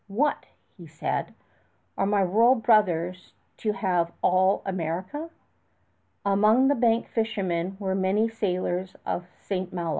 "What," he asked, "are my royal brothers to have all America?" Among the Bank fishermen were many sailors of St. Malo.